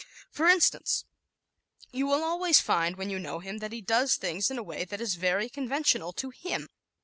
For instance, you will always find, when you know him, that he does things in a way that is very conventional to him.